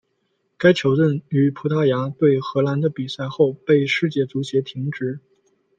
该球证于葡萄牙对荷兰的比赛后被世界足协停职。